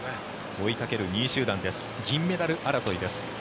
追いかける２位集団です銀メダル争いです。